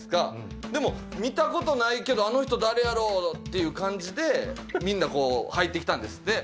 でも見たことないけどあの人誰やろう？って感じでみんな入って来たんですって。